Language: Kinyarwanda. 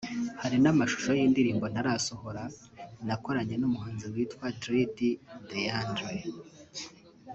Hari n’amashusho y’indirimbo ntarasohora nakoranye n’umuhanzi witwa Dre D Deandre